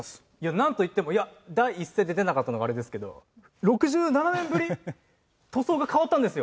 なんといってもいや第一声で出なかったのがあれですけど６７年ぶり塗装が変わったんですよ